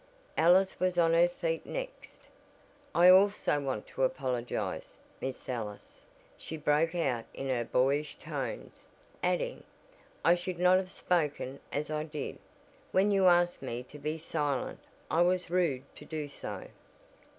Alice was on her feet next. "I also want to apologize, Miss Ellis," she broke out in her "boyish tones," adding: "I should not have spoken as I did, when you asked me to be silent. I was rude to do so."